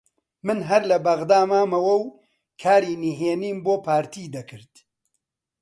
من هەر لە بەغدا مامەوە و کاری نهێنیم بۆ پارتی دەکرد